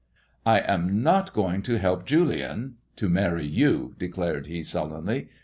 I am not going to help Julian to marry you," decknl he sullenly.